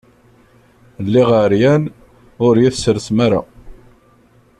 Lliɣ ɛeryan, ur yi-tesselsem ara.